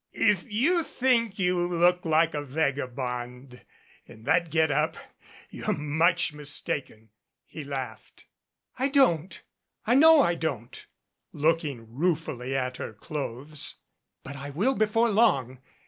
"If you think you look like a vagabond in that get up you're much mistaken," he laughed. "I don't. I know I don't," looking ruefully at her clothes. "But I will before long.